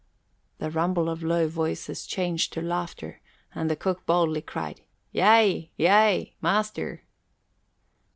The rumble of low voices changed to laughter and the cook boldly cried, "Yea, yea, master!"